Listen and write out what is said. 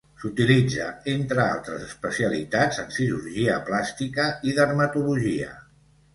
S'utilitza, entre altres especialitats en cirurgia plàstica i dermatologia.